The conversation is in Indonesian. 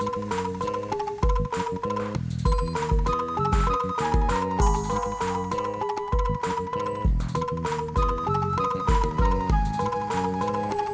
banyak suara soundnya